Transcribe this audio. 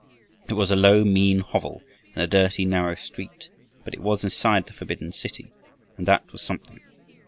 It was a low, mean hovel in a dirty, narrow street, but it was inside the forbidden city, and that was something.